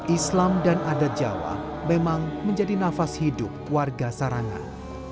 islam dan adat jawa memang menjadi nafasan